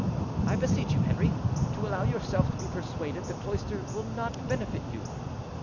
I beseech yon, Henri, to allow yourself to be persuaded; the cloister will not benefit you.